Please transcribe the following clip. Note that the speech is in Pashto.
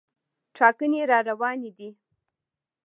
ټاکنې راروانې دي.